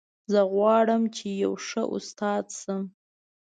زه غواړم چې یو ښه استاد شم